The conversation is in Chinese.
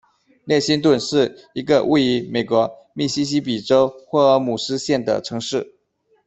列辛顿是一个位于美国密西西比州霍尔姆斯县的城市。